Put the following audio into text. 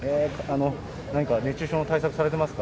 何か熱中症の対策されてますか。